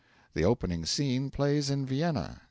The opening scene plays in Vienna.